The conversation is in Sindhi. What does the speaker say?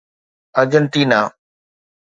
ارجنٽينا